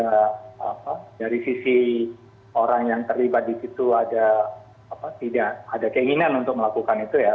dari sisi orang yang terlibat di situ ada keinginan untuk melakukan itu ya